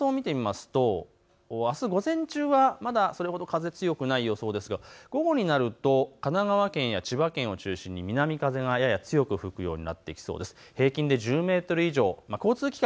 南風が少し強まる予想なんですが、風の予想を見てみますとあす午前中はまだ、それほど風は強くない予想ですが午後になると神奈川県や千葉県を中心に南風がやや強く吹くようになってきそうです。